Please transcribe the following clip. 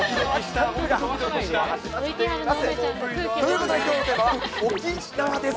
ということで、きょうのテーマは沖縄です。